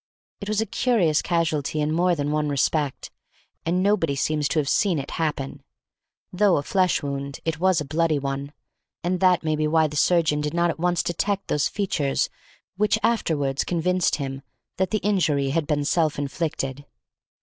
It was a curious casualty in more than one respect, and nobody seems to have seen it happen. Though a flesh wound, it was a bloody one, and that may be why the surgeon did not at once detect those features which afterwards convinced him that the injury had been self inflicted.